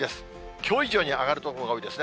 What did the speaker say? きょう以上に上がる所が多いですね。